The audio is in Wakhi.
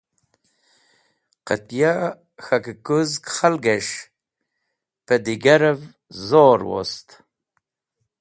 Qẽtya k̃hakẽkũzg khalges̃h pẽ digarẽv zorwost.